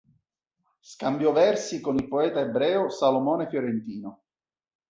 Scambiò versi con il poeta ebreo Salomone Fiorentino.